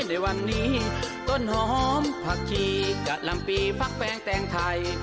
ในวันนี้ต้นหอมผักชีกะลำปีพักแปลงแตงไทย